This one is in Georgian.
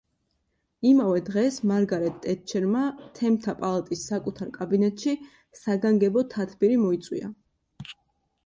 იმავე დღეს მარგარეტ ტეტჩერმა, თემთა პალატის საკუთარ კაბინეტში საგანგებო თათბირი მოიწვია.